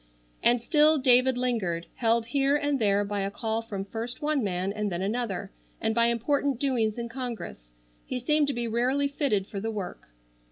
And still David lingered, held here and there by a call from first one man and then another, and by important doings in Congress. He seemed to be rarely fitted for the work.